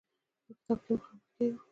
په کتاب کې مخامخ کېږو.